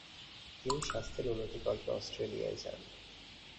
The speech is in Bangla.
তিনি স্বাস্থ্যের উন্নতিকল্পে অস্ট্রেলিয়ায় যান।